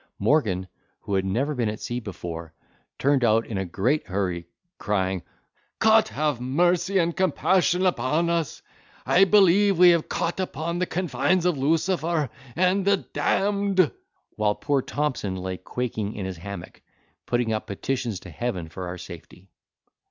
Morgan who had never been at sea before, turned out in a great hurry, crying, "Cot have mercy and compassion upon us! I believe, we have cot upon the confines of Lucifer and the d—n'd!" while poor Thompson lay quaking in his hammock, putting up petitions to heaven for our safety.